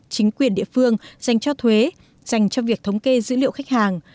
chính quyền địa phương dành cho thuế dành cho việc thống kê dữ liệu khách hàng